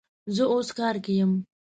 زه اوس کار کی یم